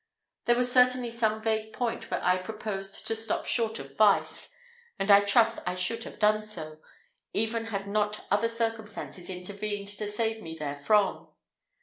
There was certainly some vague point where I proposed to stop short of vice; and I trust I should have done so, even had not other circumstances intervened to save me therefrom.